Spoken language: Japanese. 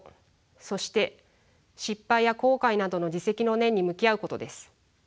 そして失敗や後悔などの自責の念に向き合うことです。